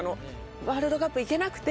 ワールドカップ行けなくて。